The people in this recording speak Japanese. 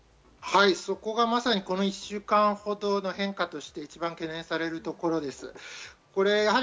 そこがまさにこの１週間ほどの変化として懸念されるところです。